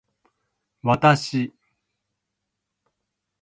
わたし